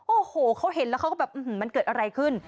โอ้โหเขาเห็นแล้วเขาก็แบบมันเกิดอะไรขึ้น